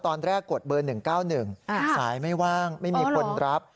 ตอนแรกกดเบอร์๑๙๑สายไม่ว่างไม่มีคนรับ